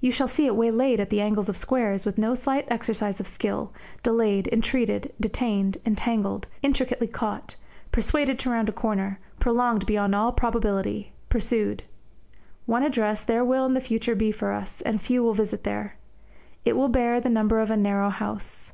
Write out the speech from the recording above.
You shall see it waylaid at the angles of squares, with no slight exercise of skill, delayed, entreated, detained, entangled, intricately caught, persuaded to round a corner, prolonged beyond all probability, pursued. One address there will in the future be for us, and few will visit there. It will bear the number of a narrow house.